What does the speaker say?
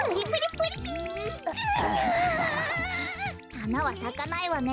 はなはさかないわね。